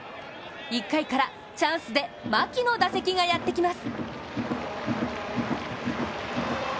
１回からチャンスで牧の打席がやってきます。